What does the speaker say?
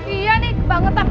iya ini banget aprt